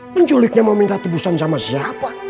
penculiknya meminta tebusan sama siapa